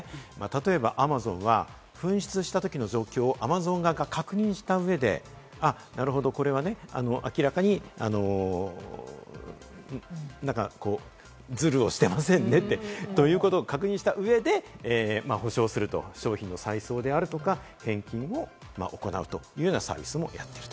例えばＡｍａｚｏｎは紛失したときの状況をＡｍａｚｏｎ側が確認した上で、なるほど、これは明らかにズルをしてませんねということを確認した上で、補償すると商品の再送であるとか、返金を行うというようなサービスもやっていると。